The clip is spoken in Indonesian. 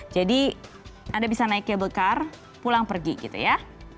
jadi anda bisa naik cable car pulang pergi gitu ya